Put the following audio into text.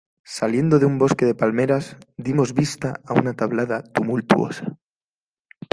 saliendo de un bosque de palmeras, dimos vista a una tablada tumultuosa